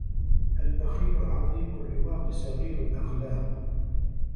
البخيل عظيم الرواق صغير الأخلاق